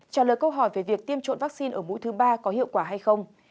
trả lời câu hỏi về việc tiêm trộn vắc xin ở mũi thứ ba có hiệu quả hay không